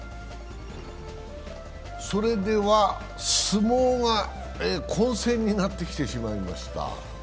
それでは相撲が混戦になってきてしまいました。